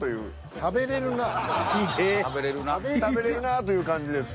食べれるなぁという感じです。